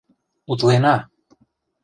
Утлена!